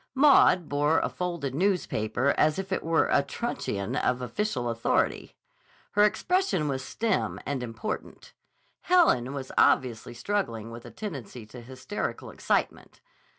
Maud bore a folded newspaper as if it were a truncheon of official authority. Her expression was stern and important. Helen was obviously struggling with a tendency to hysterical excitement.